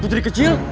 bu jadi kecil